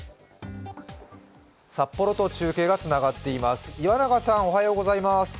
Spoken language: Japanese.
札幌と中継がつながっています。